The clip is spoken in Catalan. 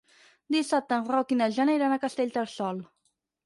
Dissabte en Roc i na Jana iran a Castellterçol.